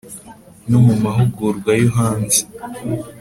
no mu mahugurwa yo hanze